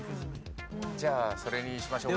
じゃあそれにしましょうか。